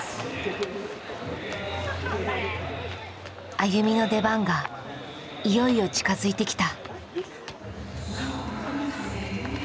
ＡＹＵＭＩの出番がいよいよ近づいてきた。